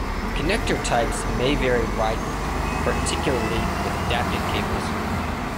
Connector types may vary widely, particularly with adapting cables.